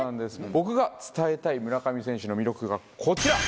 僕が伝えたい村上選手の魅力がこちら。